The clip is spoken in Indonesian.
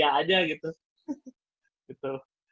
gara gara aja gitu